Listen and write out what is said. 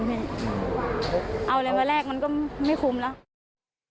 เอาอะไรมาแลกมันก็ไม่คุ้มแล้ว